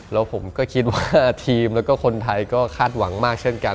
แล้วผมก็คิดว่าทีมแล้วก็คนไทยก็คาดหวังมากเช่นกัน